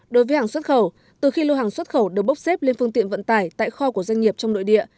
đối với hàng xuất khẩu từ khi lô hàng xuất khẩu được bốc xếp lên phương tiện vận tải tại kho của doanh nghiệp trong nội địa